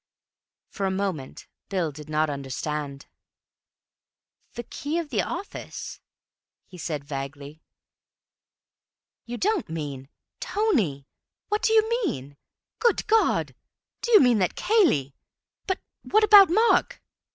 For a moment Bill did not understand. "Key of the office?" he said vaguely. "You don't mean—Tony! What do you mean? Good God! do you mean that Cayley—But what about Mark?"